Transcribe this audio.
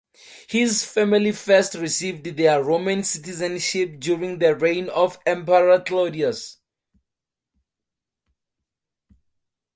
His family first received their Roman citizenship during the reign of Emperor Claudius.